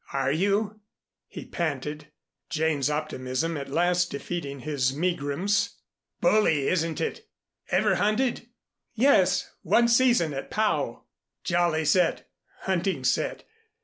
"Are you?" he panted, Jane's optimism at last defeating his megrims. "Bully, isn't it? Ever hunted?" "Yes, one season at Pau." "Jolly set, hunting set.